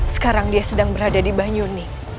sekarang dia sedang berada di banyuni